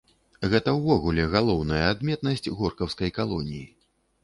Гэта ўвогуле галоўная адметнасць горкаўскай калоніі.